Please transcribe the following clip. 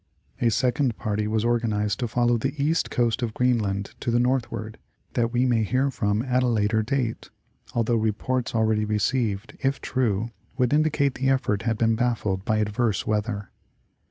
A second party was organized to follow the east coast of Green land to the northward, that we may hear from at a later date, although reports already received, if true, would indicate the effort had been baffled by adverse weather.